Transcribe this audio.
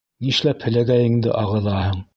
— Нишләп һеләгәйеңде ағыҙаһың?